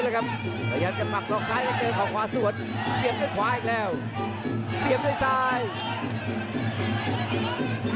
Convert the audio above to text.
กระโดยสิ้งเล็กนี่ออกกันขาสันเหมือนกันครับ